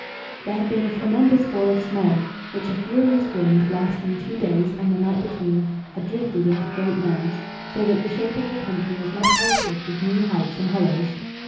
There had been a tremendous fall of snow, which a furious wind, lasting two days and the night between, had drifted into great mounds, so that the shape of the country was much altered with new heights and hollows.